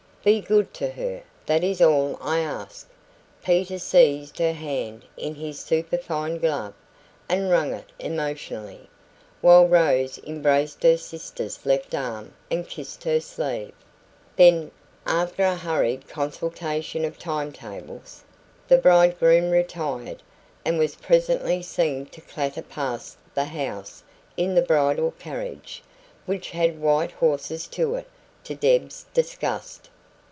Be good to her that is all I ask." Peter seized her hand in his superfine glove, and wrung it emotionally, while Rose embraced her sister's left arm and kissed her sleeve. Then, after a hurried consultation of timetables, the bridegroom retired, and was presently seen to clatter past the house in the bridal carriage, which had white horses to it, to Deb's disgust.